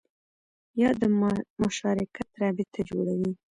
یا د مشارکت رابطه جوړوي